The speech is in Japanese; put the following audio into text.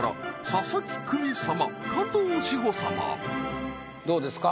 佐々木久美様加藤史帆様どうですか？